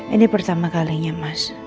ini pertama kalinya mas